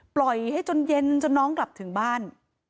ปล่อยให้จนเย็นจนน้องกลับถึงบ้าน